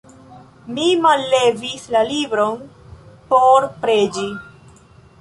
Mi mallevis la libron por preĝi.